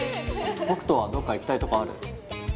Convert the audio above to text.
北斗はどっか行きたいとこある？